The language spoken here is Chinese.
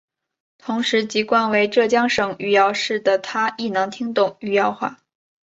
同时籍贯为浙江省余姚市的她亦能听懂余姚话。